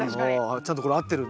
ちゃんとこれ合ってるんだ。